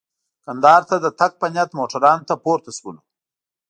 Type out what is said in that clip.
کندهار ته د تګ په نیت موټرانو ته پورته شولو.